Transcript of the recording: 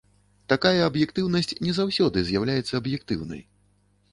Такая аб'ектыўнасць не заўсёды з'яўляецца аб'ектыўнай.